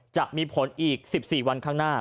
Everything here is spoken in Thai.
จะมีผลอีก๑๔วันข้างหน้า